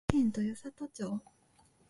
滋賀県豊郷町